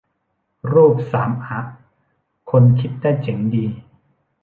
รูปสามอะ คนคิดได้เจ๋งดี